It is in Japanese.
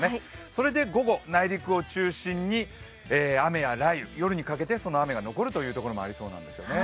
それで午後、内陸を中心に雨や雷雨、夜にかけて、その雨が残る所もありそうなんですよね。